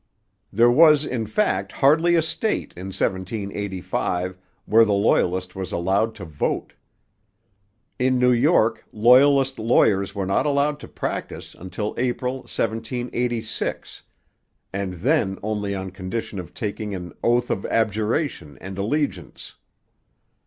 There was in fact hardly a state in 1785 where the Loyalist was allowed to vote. In New York Loyalist lawyers were not allowed to practise until April 1786, and then only on condition of taking an 'oath of abjuration and allegiance.'